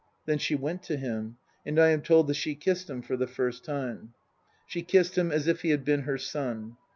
'* Then she went to him ; and I am told that she kissed him for the first time. She kissed him as if he had been her son.